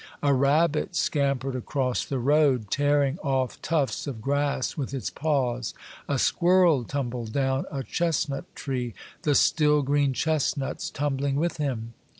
A rabbit scampered across the road, tearing off tufts of grass with his paws. A squirrel tumbled down a chestnut tree, the still green chestnuts tumbling with him.